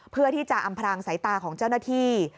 เพื่อที่จะอำพรางสายตาของเจ้าหน้าที่